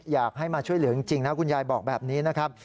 อยากให้มาช่วยเหลือจริงนะคุณยายบอกแบบนี้นะครับ